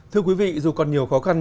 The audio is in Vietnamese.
thưa quý vị dù còn nhiều khó khăn